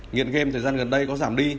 nghiện game thời gian gần đây có giảm đi